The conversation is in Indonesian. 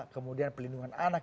kemudian pelindungan anak